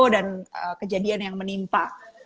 dan kejadian yang menimpa